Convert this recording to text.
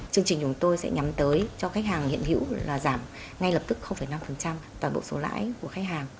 chương trình chúng tôi sẽ nhắm tới cho khách hàng hiện hữu là giảm ngay lập tức năm toàn bộ số lãi của khách hàng